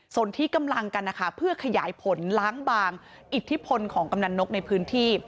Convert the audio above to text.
ส่วนที่กำลังกันนะคะเพื่อขยายผลล้างบางอิทธิพลของกำนันนกในพื้นที่